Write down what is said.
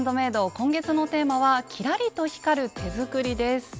今月のテーマは「キラリと光る手作り」です。